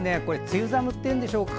梅雨寒っていうんでしょうか。